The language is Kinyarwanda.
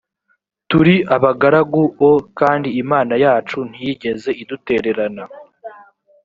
turi abagaragu o kandi imana yacu ntiyigeze idutererana